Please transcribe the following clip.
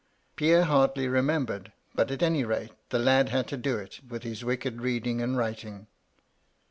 Pierre hardly remembered, but, at any rate, the lad had to do it, with his wicked reading and writing.